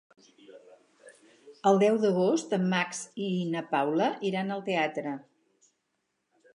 El deu d'agost en Max i na Paula iran al teatre.